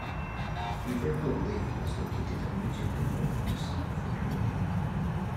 Beaverhill Lake is located immediately northeast of the community.